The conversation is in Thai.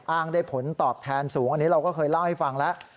อ้างได้ผลตอบแทนสูงอันนี้เราก็เคยเล่าให้ฟังแล้ว